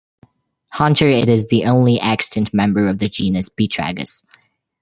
Hunter It is the only extant member of the genus Beatragus.